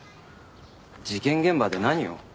事件現場で何を？